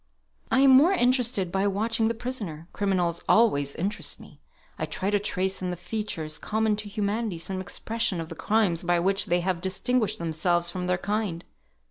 "I am more interested by watching the prisoner. Criminals always interest me. I try to trace in the features common to humanity some expression of the crimes by which they have distinguished themselves from their kind.